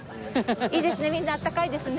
いいですね。